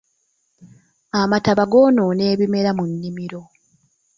Amataba goonoona ebimera mu nnimiro.